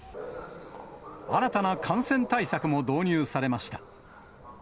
新たな感染対策も導入されました。